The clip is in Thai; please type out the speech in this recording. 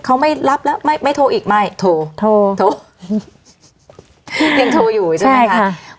เขาไม่รับแล้วไม่ไม่โทรอีกไม่โทรโทรยังโทรอยู่ใช่ไหมคะ